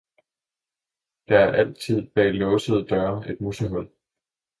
der er altid bag laasede Døre et Musehul!